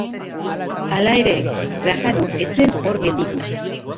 Hala ere, Trajano ez zen hor gelditu.